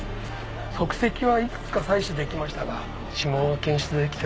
足跡はいくつか採取できましたが指紋は検出できてません。